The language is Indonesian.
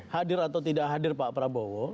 hadir atau tidak hadir pak prabowo